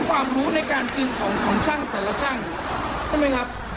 ความรู้ในการกินของช่างแต่ละช่างใช่ไหมครับ